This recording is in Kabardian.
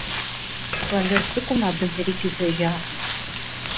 Щӏалэжь цӏыкӏум абы зыри пидзыжакъым.